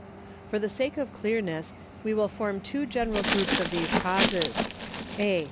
For the sake of clearness we will form two general groups of these causes: A.